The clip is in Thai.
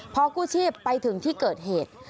พอกู้ชีพไปถึงที่เกิดเหตุ